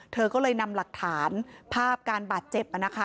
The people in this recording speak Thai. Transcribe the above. เธอก็เลยนำหลักฐานภาพการบาดเจ็บนะคะ